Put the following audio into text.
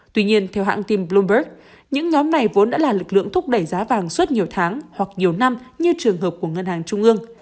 tuy nhiên theo hãng tin bloomberg những nhóm này vốn đã là lực lượng thúc đẩy giá vàng suốt nhiều tháng hoặc nhiều năm như trường hợp của ngân hàng trung ương